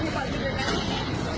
ini parkir dki